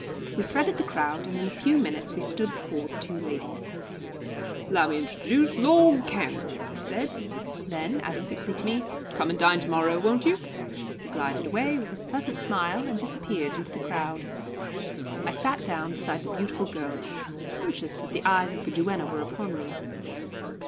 We threaded the crowd, and in a few minutes we stood before the two ladies. "'Lowmintrduce L'd Cairngorm," he said; then, adding quickly to me, "Come and dine to morrow, won't you?" He glided away with his pleasant smile, and disappeared in the crowd. I sat down beside the beautiful girl, conscious that the eyes of the duenna were upon me.